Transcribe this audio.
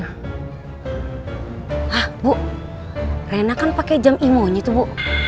hah bu rena kan pake jam imunnya tuh bu